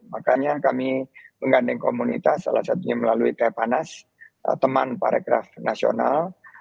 makanya kami menggandeng komunitas salah satunya melalui tepanas teman paragraf nasional